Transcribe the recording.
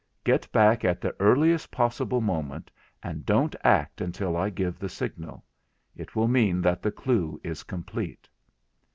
Get back at the earliest possible moment, and don't act until I give the signal. It will mean that the clue is complete.'